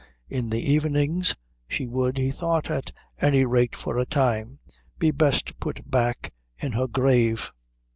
In the evenings she would, he thought, at any rate for a time, be best put back in her grave.